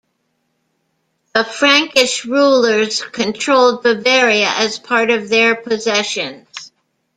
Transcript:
The Frankish rulers controlled Bavaria as part of their possessions.